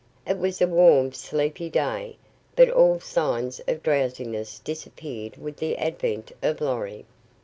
It was a warm, sleepy day, but all signs of drowsiness disappeared with the advent of Lorry.